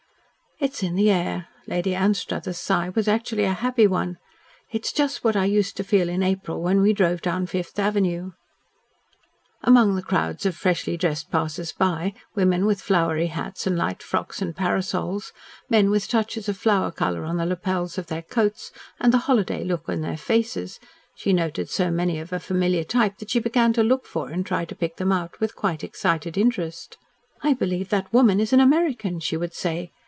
"It's in the air." Lady Anstruthers' sigh was actually a happy one. "It is just what I used to feel in April when we drove down Fifth Avenue." Among the crowds of freshly dressed passers by, women with flowery hats and light frocks and parasols, men with touches of flower colour on the lapels of their coats, and the holiday look in their faces, she noted so many of a familiar type that she began to look for and try to pick them out with quite excited interest. "I believe that woman is an American," she would say.